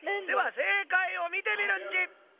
では正解をみてみるっち！